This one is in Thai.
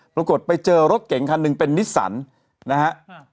ปรากฏไปเจอรถเก่งคันหนึ่งเป็นนิสสันนะฮะ